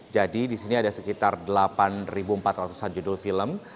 jadi di sini ada sekitar delapan ribu empat ratus an judul film